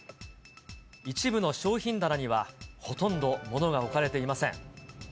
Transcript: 一部の商品棚には、ほとんど物が置かれていません。